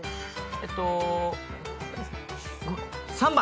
えっと３番。